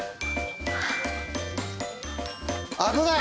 危ない！